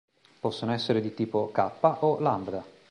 Possono essere di tipo "kappa" o "lambda".